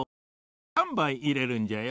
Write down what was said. じ３ばいいれるんじゃよ。